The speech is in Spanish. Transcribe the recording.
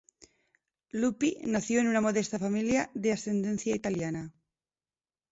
Luppi nació en una modesta familia de ascendencia italiana.